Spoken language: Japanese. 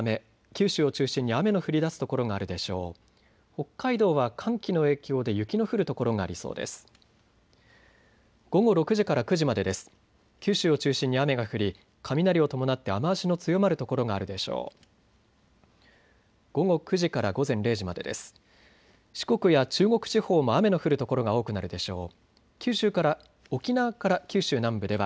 九州を中心に雨が降り雷を伴って雨足の強まる所があるでしょう。